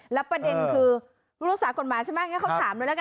แล้วประเด็นคือรุศากฎหมายใช่ไหม